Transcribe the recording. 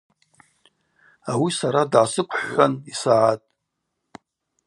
Ауи сара дгӏасыквхӏвхӏван йсагӏатӏ.